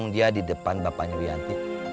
di depan bapaknya wianty